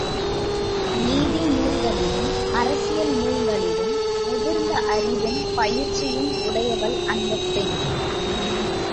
நீதி நூல்களிலும் அரசியல் நூல்களிலும் முதிர்ந்த அறிவும் பயிற்சியும் உடையவள் அந்தப் பெண்.